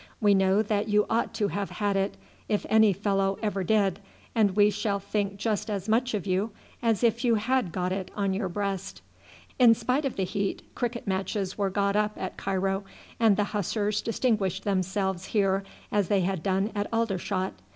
We know that you ought to have had it, if any fellow ever did, and we shall think just as much of you as if you had got it on your breast." In spite of the heat cricket matches were got up at Cairo, and the Hussars distinguished themselves here as they had done at Aldershot.